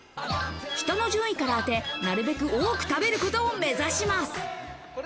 下の順位から当て、なるべく多く食べることを目指します。